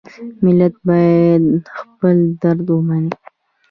ملت باید خپل درد ومني.